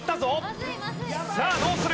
さあどうする？